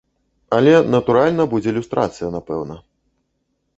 Але, натуральна, будзе люстрацыя, напэўна.